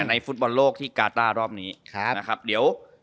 ในฟุตบอลโลกที่กาต้ารอบนี้ครับนะครับเดี๋ยว